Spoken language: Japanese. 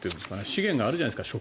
資源があるじゃないですか